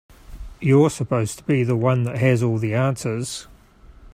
You're supposed to be the one that has all the answers.